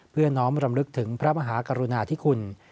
น้อมรำลึกถึงพระมหากรุณาธิคุณ